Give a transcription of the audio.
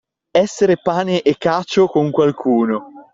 Essere pane e cacio con qualcuno.